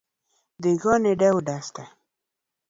Dhi igone dau dasta